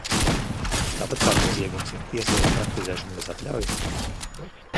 Tāpat kā noziegums ir tieslietu praktizēšana bez atļaujas?